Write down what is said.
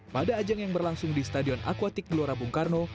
pada ajang yang berlangsung di stadion akuatik gelora bung karno